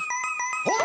ほら！